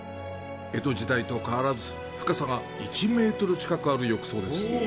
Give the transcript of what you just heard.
江戸時代と変わらず、深さが１メートル近くある浴槽です。